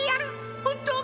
ほんとうか？